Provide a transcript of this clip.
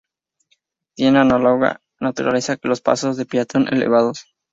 Tienen análoga naturaleza que los pasos de peatón elevados.